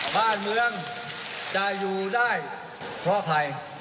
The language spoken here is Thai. บ้านเมืองจะอยู่ได้เพราะใคร